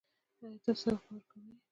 ایا تاسو صدقه ورکوئ؟